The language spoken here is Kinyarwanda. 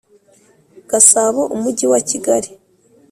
Gasabo umujyi wa kigali